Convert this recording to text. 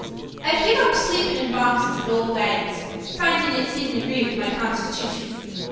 "I've give up sleepin' in boxes, and old wagons, findin' it didn't agree with my constitution.